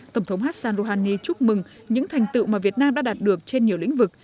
tổng thống hassan rouhani chúc mừng những thành tựu mà việt nam đã đạt được trên nhiều lĩnh vực